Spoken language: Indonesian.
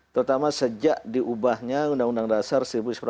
terutama sejak diubahnya undang undang dasar seribu sembilan ratus empat puluh